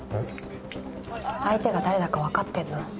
相手が誰だかわかってんの？